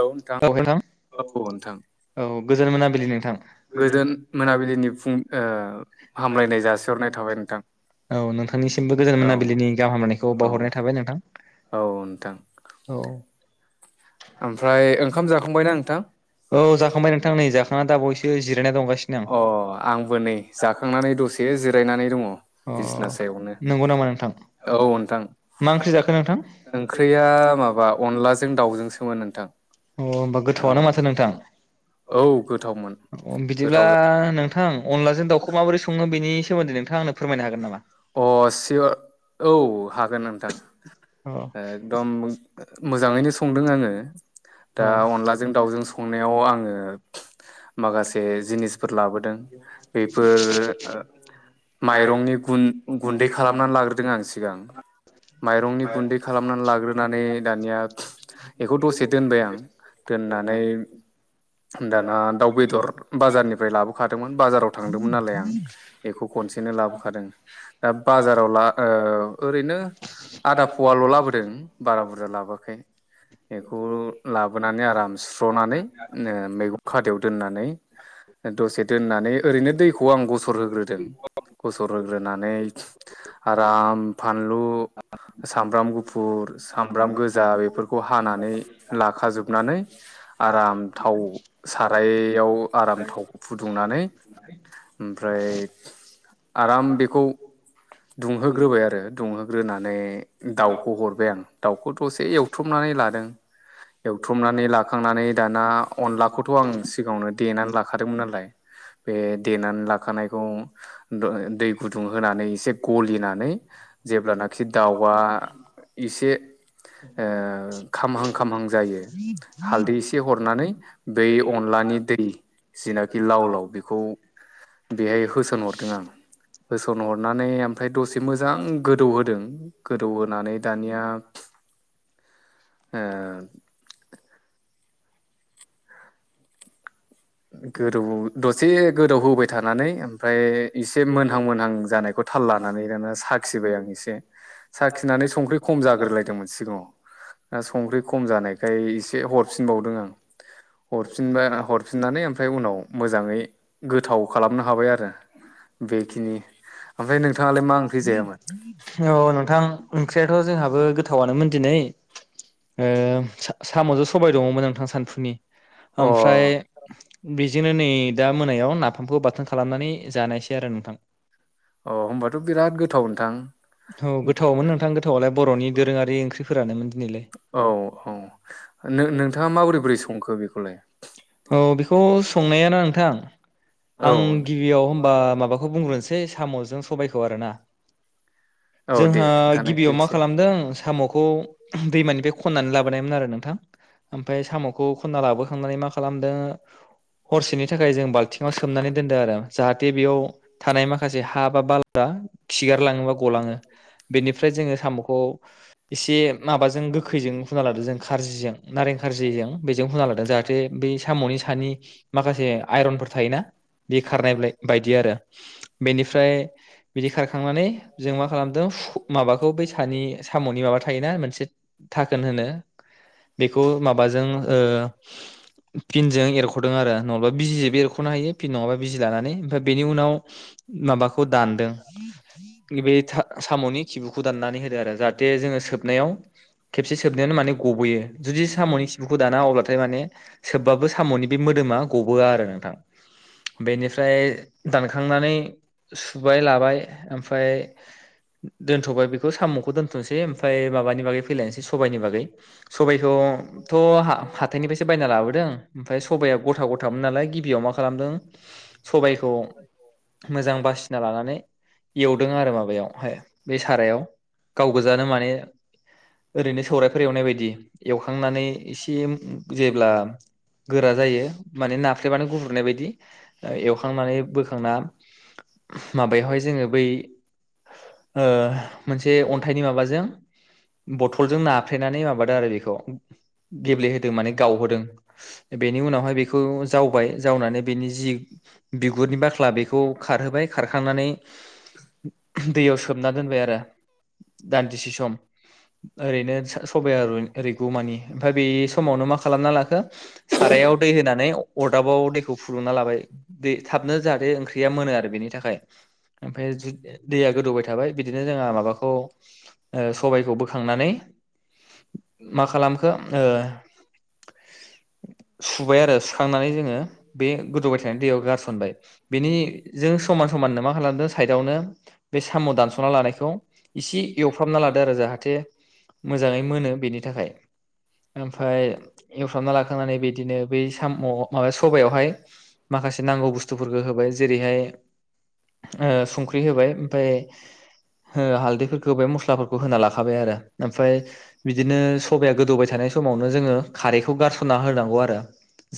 नोंथां औ नोंथां औ नोंथां औ गोजोन मोनाबिलि नोंथां गोजोन मोनाबिलिनि फुं ओ हामलायनाय जासिहरनाय थाबाय नोंथां औ नोंथांनिसिमबो गोजोन औ मोनाबिलिनि गाहाम हामलायनायखौ औ बावहरनाय थाबाय नोंथां औ नोंथां औ। ओमफ्राय ओंखाम जाखांबायना नोंथां औ जाखांबाय नोंथां नै जाख ना दा बावैसो जिरायना दंगासि अ आंबो नै जाखांनानै दसे जिरायनानै दङ आं बिसना अ सायावनो नंगौ नामा नोंथां औ नोंथां मा ओंख्रि जाखो नोंथां ओंख्रिया माबा अनलाजों दाउजोंसोमोन नोंथां। अ होमबा औ गोथावआनो माथो नोंथां औ गोथावमोन बिदिब्ला गोथाव नोंथां अनलाजों दाउखौ माबोरै सङो बेनि सोमोन्दै नोंथाङा आंनो फोरमायनो हागोन नामा? अ सिय औ हागोन नोंथां अ एकदम मोजाङैनो संदों आङो। औ दा अनलाजों दाउजों संनायाव आङो माखासे जिनिसफोर लाबोदों बेफोर ओ माइरंनि गुन। गुन्दै खालामना लाग्रोदों आं सि सिगां माइरंनि गुन्दै खालामनान लाग्रोनानै दानिया इखौ दसे दोनबाय आं दोननानै दाना दाउ बेदर बाजारनिफ्राय लाबोखादोंमोन बाजाराव थांदोंमोन नालाय आं इखौ खनसेनो लाबोखादों बाजाराव ला ओ। ओरैनो आदा फवाल' लाबोदों बारा बुरजा लाबोआखै इखौ लाबोनानै आराम। सुस्र'नानै [unintelligible] मैगं खादायाव दोननानै दसे दोननानै ओरैनो दैखौ आं गसर होग्रोदों गसर होग्रोनानै। आराम फानलु। सामब्राम गुफुर सामब्राम गोजा बेफोरखौ हानानै लाखाजोबनानै आराम थाव सारायाव आराम थाव फुदुंनानै ओमफ्राय आराम बेखौ। दुंहोग्रोबाय आरो दुं दुंहोग्रोनानै दाउखौ हरबाय आं दाउखौ दसे एवथ्रुमनानै लादों एवथ्रुमनानै लाखांनानै दाना अनलाखौथ' आं सिगाङावनो देनानै लाखादोंमोन नालाय बे देनानै लाखानायखौ द दै गुदुंङाव। माने एसे गलिनानै। जेब्लानाखि दाव आ एसे ओ खामहां खामहां जायो हालदै एसे हरनानै बै अनलानि दै जिनाखि लाव लाव बेखौ बेहाय होसोनहरदों आं। होसोनहरनानै ओमफ्राय दसे मोजां गो दौ होदों गोदौ होनानै दानिया ओ गोदौ दसे गोदौ होबाय थानानै ओमफ्राय एसे मोनहां मोनहां जानायखौ थाल लानानै दाना साखिबाय आं एसे साखिनानै संख्रि खम जाग्रोलायदोंमोन सिगाङाव दा संख्रि खम जानायखाय एसे हरफिनबावदों आं हरफिनबा बे ओमफ्राय उनाव मोजाङै गोथाव खालामनो हाबाय आरो बेखिनि ओमफ्राय नोंथाङालाय मा ओंख्रि जायामोन? [unintelligible] थ' जोंहाबो गोथावानोमोन दिनै ओम सा-साम'जों सबाय दङमोन नोंथां सानफुनि अ ओमफ्राय। बेजोंनो नै दा मोनायाव नाफामखौ बाथोन खालामनानै जानायसै आरो नोंथां। अ होनबाथ' बिराद गोथाव थां औ गोथावमोन नोंथां गोथावालाय बर'नि दोरोङारि ओंख्रिफोरानोमोन दिनैलाय औ औ नो-नोंथाङा माबोरै बोरै संखो बेखौलाय। अ बेखौ संनायाना नोंथां औ आं गिबियाव होमबा माबाखौ बुंग्रोनोसै। साम'जों सबायखौ आरोना। औ दे जोंहा खोन्थानायसै गिबियाव मा एसे खालामदों साम'खौ दैमानिफ्राय खन्नानै लाबोनायमोन आरो नोंथां। ओमफाय साम'खौ खन्ना लाबोखांनानै मा खालाम दा? हरसेनि थाखाय जों बाल्थिंआव सोमनानै दोनदों आरो जाहाथे बेयाव थानाय माखासे हा बा बाला। दा खिगारलाङोबा गलाङो बेनिफ्राय जोङो साम'खौ। एसे माबाजों गोखैजों हुना लादों जों खारजिजों नारें खारजिजों बेजों हुना लादों जाहाथे बै साम'नि सानि माखासे आइरनफोर थायोना बि खारनाय बायदि आरो बेनिफ्राय बिदि खारखांनानै जों मा खालामदों माबाखौ बै सामनि माबा थायोना मोनसे थाखोन होनो बेखौ माबाजों ओ फिनजों एरख'दों आरो नङाबा बिजिजोंबो एरख'नो हायो फिन नङाबा बिजि लानानै ओमफ्राय बिनि उनाव माबाखौ दानदों बे साम'नि खिबुखौ दाननानै होदों आरो जा थे जोङो सोबनायाव खेबसे सोबनायानो माने गबोयो जुदि साम'नि खिबुखौ दाना अब्लाथाय माने सोबबाबो साम'नि बे मोदोमा गबोया आरो नोंथां बेनिफ्राय दानखांनानै सुबाय लाबाय ओमफ्राय दोनथ'बाय बेखौ साम'खौ दोन दोनथनोसै ओमफ्राय माबानि बागै फैलायसै सबायनि बागै सबायखौथ' हाथाइनिफ्रायसो बायना लाबो दङ ओमफ्राय सबाया गथा गथामोन नालाय गिबियाव मा खालामदों सबबायखौ मोजां बासिना लानानै एवदों आरो माबायाव हाय बे सारायाव गाव गोजानो माने ओरैनो सौराइफोर एवनाय बायदि एवखांनानै एसे जेब्ला गोरा जायो माने नाफ्रेबानो ग्रुनाय बायदि एवखांनानै बोखांना माबायावहाय जोङो बै ओ मोनसे अन्थाइनि माबाजों बथलजों नाफ्लेनानै माबादों आरो बेखौ गेब्लेहोदों माने गावहोदों। बेनि उनावहाय बेखौ जावबाय जावनानै बेनि जि बिगुरनि बाख्ला बेखौ खारहोबाय खारखांनानै दैयाव सोमना दोनबाय आरो दान्दिसे सम ओरैनो स-सबाइया ओरैनो रुयगौमानि ओमफ्राय बे समावनो मा खालामना लाखो सारायाव दै होनानै अरदाबाव दैखौ फुदुंना लाबाय दै थाबनो जाहाथे ओंख्रिया मोनो आरो बेनि थाखाय ओमफ्राय दैया गोदौबाय थाबाय बिदिनो जोंहा माबाखौ ओ सबायखौ बोखांनानै मा खालामखो ओ सुबाय आरो सुखांनानै जोङो बे गोदौबाय थानाय दैयाव गारसनबाय बेनि जों समान समाननो मा खालामदों साइदआवनो बे साम' दानस'ना लानायखौ इसे एवफ्रामना लादो आरो जाहाथे मोजाङै मोनो बेनि थाखाय। ओमफ्राय एवफ्रामना ला बिदिनो बै साम' माबा सबाइयावहाय माखासे नांगौ बुस्थुफोरखौ होबाय जेरैहाय ओ संख्रि होबाय ओमफाय ओ हालदैफोरखौ होबाय मस्लाफोरखौ होना लाखाबाय आरो ओमफ्राय बिदिनो सबाया गोदौबाय थानाय समावनो जोङो खारैखौ गारसन होनांगौ आरो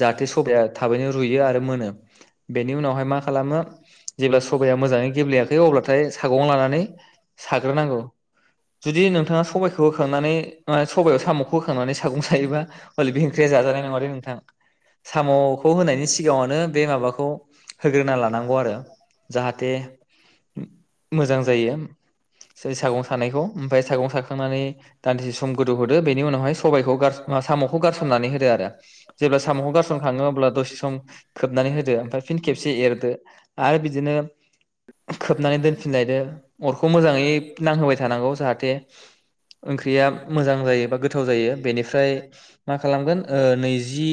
जाहाथे सबाया थाबैनो रुयो आरो मोनो बेनि उनावहाय मा खालामो जेब्ला सबाया मोजाङै गेब्लेयाखै अब्लाथाय सागं लानानै साग्रोनांगौ जुदि नोंथाङा सबाइखौ होखांनानै सबायाव साम'खौ होखांनानै सागं सायोबा हले जाजानाय नङालै नोंथां। साम'खौ होनायनि सिगाङावनो बे माबाखौ होग्रोना लानांगौ आरो जाहाथे मो-मोजां जायो। सा-सागं सानायखौ ओमफफ्राय सागं साखांनानै दान्दिसे सम गोदौहोदो बेनि उनावहाय सबाइखौ गारसन- साम'खौ गारसन होदो आरो जेब्ला साम'खौ गारसन खाङो अब्ला दसे सम खोबनानै होदो ओमफ्राय फिन खेबसे एरदो। आरो बिदिनो खोबनानै दोनफिनलायदो अरखौ मोजाङै नांहोबाय थानांगौ जाहाथे ओंख्रिया मोजां जायो बा गोथाव जायो बेनिफ्राय मा खालामगोन ओ नैजि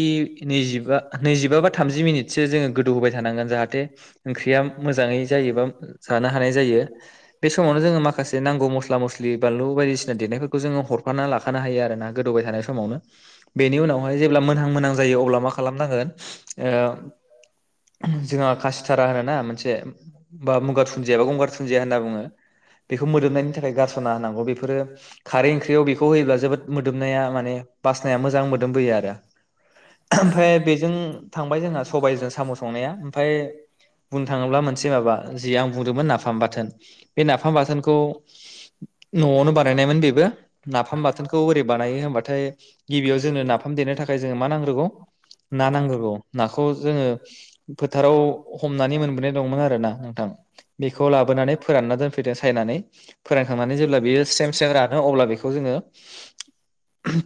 नैजिबा नैजिबा बा थामजि मिनिटसो जोङो गोदौ होबाय थानांगोन जाहाथे ओंख्रिया मोजाङै जायो। जानो हानाय जायो। बे समावनो जोङो माखासे नांगौ मस्ला मस्लि बानलु बायदिसिना देनायफोरखौ जोङो हरफाना लाखानो हायो आरोना गोदौबाय थानाय समावनो बेनि उनावहाय जेब्ला मोनहां मोनहां जायो अब्ला मा खालामनांगोन ओ जोंहा खासिथारा होनो ना मोनसे बा मगार दुुनन्दिया बा गंगार दुनन्दिया होनना बुङो। बेखौ मोदोमनायनि थाखाय गारस'ना होनांगौ। बेफोरो खारै ओंख्रियाव बेखौ होयोब्ला जोबोद मोदोमनाया माने बास नाया मोजां मोदोम बोयो आरो। ओमफ्राय बेजों थांबाय जोंहा सबायजों साम' संनाया ओमफाय बुंनो थाङोब्ला मोनसे माबा जि आं बुंदोंमोन नाफाम बाथोन बे नाफाम बाथोनखौ न'आवनो बानायनायमोन बेबो नाफाम बाथोनखौ ओरै बानायो होनबाथाय गिबियाव जोंनो नाफाम देरनो थाखाय जोंङो मा नांग्रोगौ? ना नांग्रोगौ। नाखौ जोङो फोथाराव हमनानै मोनबोनाय दंमोन। नोंथां बेखौ लाबोनानै फोरानना दोनफैदो सायनानै फोरानखांनानै जेब्ला बेयो सेम सेम रानो अब्ला बेखौ जोङो।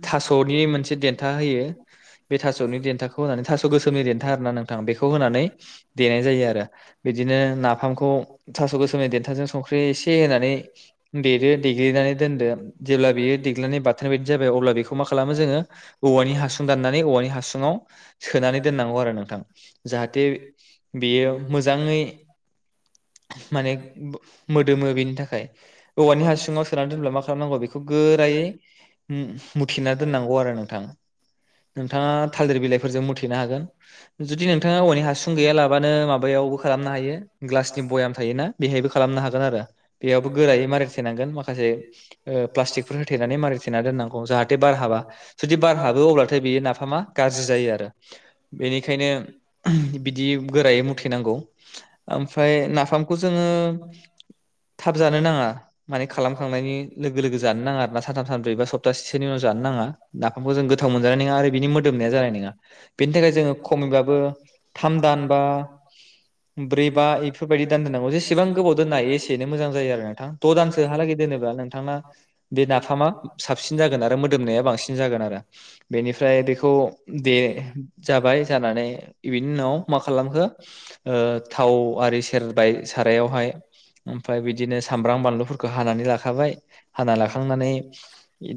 थास' बि मोनसे देन्था होयो बे थास'नि देन्थाखौहोनानै थास' गोसोमनि देन्था आरो ना नोंथा बेखौ होनानै देनाय जायो आरो बिदिनो नाफामखौ थास' गोसोमनि देन्थाजों संख्रि एसे होनानै देदो देग्लिनानै दोन्दो जेब्ला बेयो देग्लिनानै बाथोन बादि जा यो अब्ला बेखौ खौ मा खालामो जोङो औवानि हासुं दाननानै औवानि हासुङाव सोनानै दोननांगौ आरो नोंथां। जाहाथे बेयो मोजाङै माने मोदोमो बेनि थाखाय औवानि हासुङाव सोनानै दोनब्ला मा खालामनांगौ बेखौ गोरायै मुथेना दोननांगौ आरो नोंथां नोंथाङा थालिर बिलाइफोरजों मुथेनो हागोन जुदि नोंथाङा औवानि हासुं गैयालाबानो माबायावबो खालामनो हायो ग्लासनि बयाम बेहायबो खालामनो हागोन आरो बेयावबो गोरायै मारै थेनांगोन माखासे ओ प्लास्टिकफोर होथेनानै मारि थेना दोननांगौ जाहाथे बार हाबा जुदि बार हाबो अब्लाथाय बियो नाफामा गाज्रि जायो आरो। बेनिखनो बिदि गोरायै मुथे नांगौ ओमफाय नाफाम जोङो थाब जानो नाङा माने खालामखांनायनि लोगो लोगो जानो नाङा आरो ना सानथाम सानब्रै बा सप्तासे सो उनाव जानो नाङा। नाफामखौ जों गोथाव मोनजानाय नङा आरो बिनि मोदोमनाया जानाय नङा बेनि थाखाय जोङो खमैबाबो थाम दान बा ब्रै बा इफोरबायदि दान एसेबां गोबाव दोननो हायो एसेनो मोजां जायो आरो नोंथां द' दानसोहालागै दोनोब्ला नोंथांना बे नाफामा साबसिन जागोन आरो मोदोमनाया बांसिन जागोन आरो बेनिफ्राय बेखौ दे जाबाय जानानै बिनि उनाव मा खालामखो ओ थाव आरि सेरबाय। सारायावहाय ओमफ्राय बिदिनो सामब्राम बानलुफोरखौ हानानै लाखाबाय हाना लाखांनानै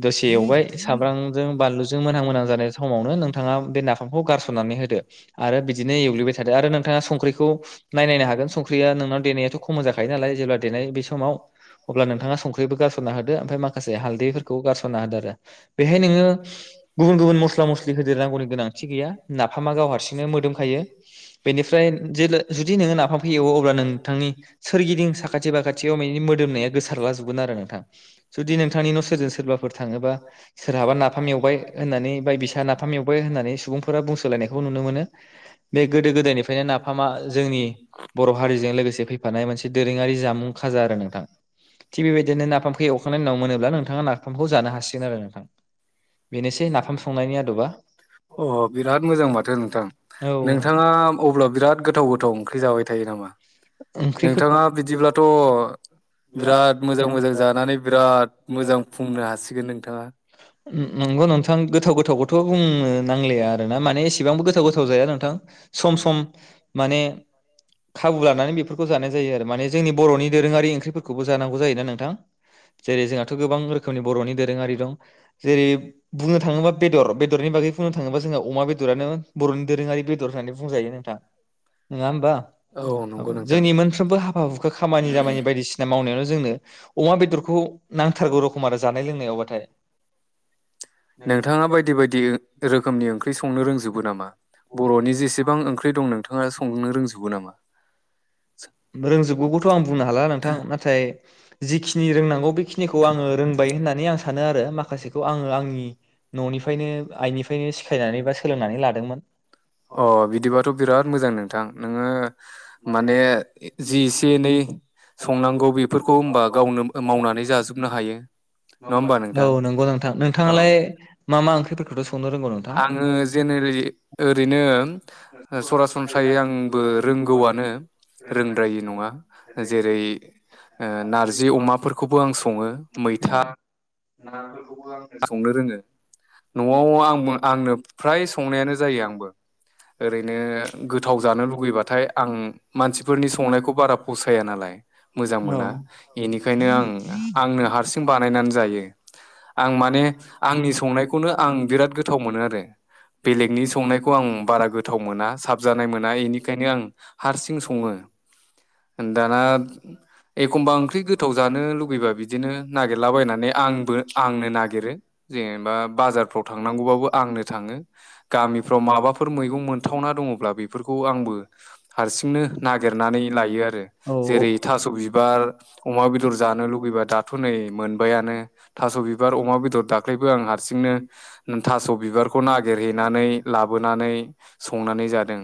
दसे एवबाय सामब्रामजों बानलुजों मोनहां मोनोहां जानाय समावनो नोंथाङा बे नाफामखौ गारसननानै होदो आरो बिदिनो एवग्लिबाय थादो आरो नोंथाङा संख्रिखौ नायनायनो हागोन संख्रिया देनायाथ' खम जाखायो नालाय जेब्ला देनाय बे समाव अब्ला नोंथाङा संख्रिबो गारसनना हो मफ्राय माखासे हालदै गगसााना आदारा बेहाय नोङो गुबुन गुबुन मस्ला मस्लि होदेरनांगौनि गोनांथि गैया नाफामा गाव हारसिंनो मोदोम खायो। बेनिफ्राय जुदि नों नांनायखौ ऐवो बा नोंथांनि सोरगिदिं साखाथि बाखाथियाव बैनि मोदोमनाया गोसारला जोबगोन आरो नोंथां जुदि नोंथांनि न' सोरजों सो सोरबाफोर थाङोबा सोरहाबा नाफाम एवबाय होननानै बा बिसा नाफाम एवबाय होननानै सुबुंफोरा बुंसोलायनायखौबो नुनो मोनो। बे गोदो गोदायनिफ्रायनो नाफामा जोंनि बर' हारिजों लोगोसे फैफानाय मोनसे दोरोङारि जामुं खाजा आरो नोंथां। थिग बेबायदिनो नाफाम फै एवखांनायनि उनाव मोनोब्ला नोंथाङा ना बेनोसै नाफाम संनायनि आदबा [unintelligible] अ बिराद मोजां माथो नोंथां औ नोंथाङा अब्ला बिराद गोथ थाव गोथाव ओख्रि जाबाय थायो नामा? ओंख्रिखौ नोंथाङा बिदिब्लाथ' बिराद मोजां मोजां जानानै बिराद मोजां बुंनो हासिगोन नोंथाङा थ' बुंनो नांलाया आरोना माने एसेबांबो गोथाव गोथाव जाया नोंथां सम सम माने खाबु ला नानै बेफोरखौ जानाय जायो आरो माने जोंनि बर'नि दोरोङारि ओंख्रिफोरखौबो जानांगौ जायोना नोंथां। जेरै जोंहाथ' गोबां रोखोमनि बर'नि दोरोङारि दं जेरै बुंनो थाङोबा बेदर बेदरनि बागै बुंनो थाङोबा जोंहा अमा बेदरानो बर'नि दोरोङारि बेदर होननानै बुंजायो नोंथां नङा होमबा? औ नो औ जोंनि मोनफ्रोमबो हा हुखा खामानि दामानि बायदिसिना मावनायावनो जोङो [inaudible] औवा बेदरखौ नांथारगौ रखम आरो जानाय लोंनायावबाथाय। नोंथाङा बायदि बायदि रोखोमनि ओंख्रि संनो रोंजोब गो नामा बर'नि जेसेबां ओंख्रि दं नों थाङा संनो रोंजोबो नामा? रोंजोबगौगौथ' आं बुंनो हाला नोंथां नाथाय जिखिनि रोंनांगौ बे खिनिखौ आङो रोंबाय होननानै आं सानो आरो माखासे खौ आङो आंनि न'निफ्रायनो आइनिफ्रायनो सिखायनानै बा सोलोंनानै लादोंमोन। अ बिदिबाथ' बिराद मोजां नोंथां नोङो माने जि एसे एनै संनांगौ बेफोरखौ होनबा गावनो मावनानै जाजोबनो हायो नङा होमबा औ नोंथां? नंगौ नोंथां औ नोंथाङालाय मा मा ओंख्रिफोरखौथ' सं आङो जेनेरेलि ओरैनो सरासनस्रायै आंबो रोंगौआनो रोंद्रायि नङा जेरै ओ नारजि अमाफोरखौबो आं सङो मैथा नाबो संनो रोङो न'आव आंबो आंनो फ्राय संनायानो जायो आंबो। ओरैनो गोथाव जानो लुुबैबाथाय आं मानसिफोरनि संनायखौ बारा फसाया नालाय मोजां औ मोना इनिखायनो आं-आंनो हारसिं बानायनानै जायो। आं माने आंनि संनायखौनो आं बिराद गोथाव मोनो आरो बेलेगनि संनायखौ आं बारा गोथाव मोना साबजानाय मोना इनिखायनो आं हारसिं सङो, दाना एखमबा ओंख्रि गोथाव जानो लुुबैबा बिदिनो नागिरलाबायनानै आंबो नो नागिरो जेनेबा बाजारफ्राव थांनांगौबाबो आंनो थांङो गामिफ्राव माबा मैगं मोनथावना दङब्ला बेफोरखौ आंबो हारसिंनो नागिरनानै लायो आरो जेरै थास' बिबार अमा बेदर जानो लुुबैबा दाथ' नै मोनबायानो थास' बिबार अमा बेदर दाख्लैबो आं हारसिंनो थास' औ बिबारखौ नागिरहैनानै लाबोना संनानै जादों।